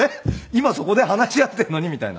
今そこで話し合っているのにみたいな。